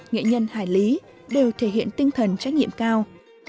nghệ nhân hải lý đều thể hiện tinh thần trách nhiệm cao